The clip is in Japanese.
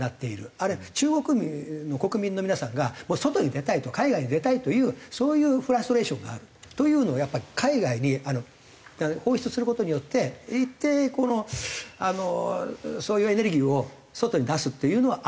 あるいは中国の国民の皆さんが外に出たいと海外に出たいというそういうフラストレーションがあるというのをやっぱり海外に放出する事によって一定そういうエネルギーを外に出すっていうのはありますよね。